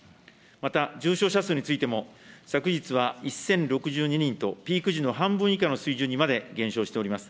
また重症者数についても、昨日は１０６２人と、ピーク時の半分以下の水準にまで減少しております。